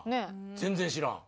全然知らん。